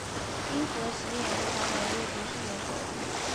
音符的实际演奏长短由乐曲的速度来决定。